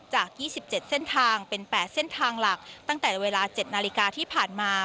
จาก๒๗เส้นทางเป็น๘เส้นทางหลักตั้งแต่เวลา๗นาฬิกาที่ผ่านมา